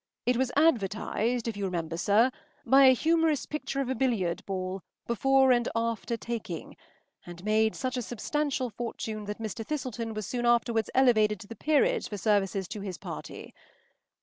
It was advertised, if you remember, sir, by a humorous picture of a billiard ball, before and after taking, and made such a substantial fortune that Mr. Thistleton was soon afterwards elevated to the peerage for services to his Party.